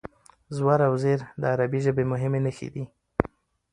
زور او زېر د عربي ژبې مهمې نښې دي.